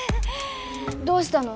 どうしたの？